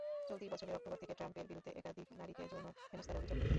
চলতি বছরের অক্টোবর থেকে ট্রাম্পের বিরুদ্ধে একাধিক নারীকে যৌন হেনস্তার অভিযোগ ওঠে।